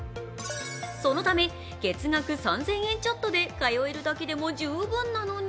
そのため月額３０００円ちょっとで通えるだけでも十分なのに